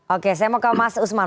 oke saya mau ke mas usman